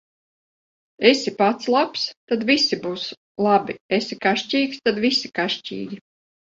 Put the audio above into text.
Esi pats labs, tad visi būs labi; esi kašķīgs, tad visi kašķīgi.